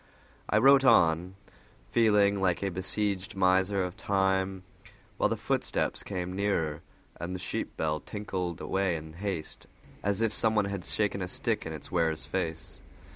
I wrote on, feeling like a besieged miser of time, while the footsteps came nearer, and the sheep bell tinkled away in haste as if someone had shaken a stick in its wearer's face.